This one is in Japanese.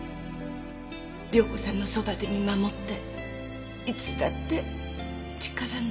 亮子さんのそばで見守っていつだって力になるよ。